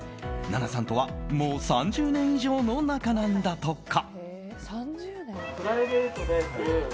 奈々さんとは、もう３０年以上の仲なんだとか。